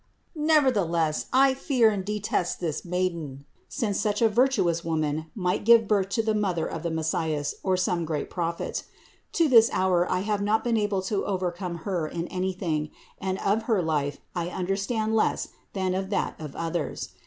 Never theless I fear and detest this Maiden, since such a vir tuous Woman might give birth to the Mother of the Messias or to some great prophet. To this hour I have not been able to overcome Her in anything, and of Her life I understand less than of that of others.